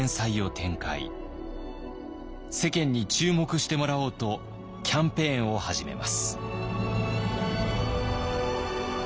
世間に注目してもらおうとキャンペーンを始めます。